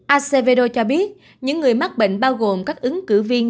acvro cho biết những người mắc bệnh bao gồm các ứng cử viên